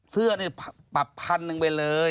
เสื้อนี่ปรับพันหนึ่งไปเลย